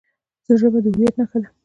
ژبه د هویت نښه ده.